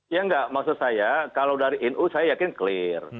ya enggak maksud saya kalau dari nu saya yakin clear